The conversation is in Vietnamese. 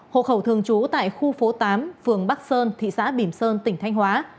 hộ khẩu thường trú tại khu phố tám phường bắc sơn thị xã bìm sơn tỉnh thanh hóa